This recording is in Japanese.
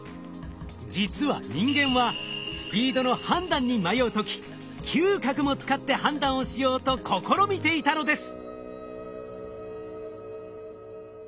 実は人間はスピードの判断に迷う時嗅覚も使って判断をしようと試みていたのです！